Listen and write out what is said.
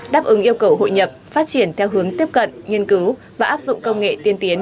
đáp ứng yêu cầu hội nhập phát triển theo hướng tiếp cận nghiên cứu và áp dụng công nghệ tiên tiến